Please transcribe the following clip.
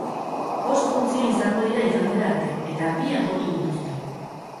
Bost funtzio izango dira igandera arte eta bi agortu dituzte.